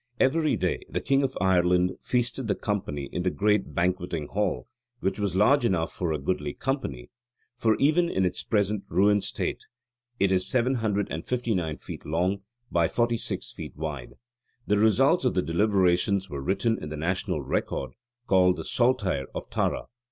Every day the king of Ireland feasted the company in the great Banqueting Hall, which was large enough for a goodly company: for even in its present ruined state it is 759 feet long by 46 feet wide. The results of the deliberations were written in the national record called the Saltair of Tara.